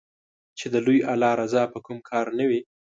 چې د لوی الله رضا په کوم کار نــــــــه وي